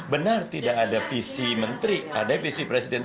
benar tidak ada visi menteri ada visi presiden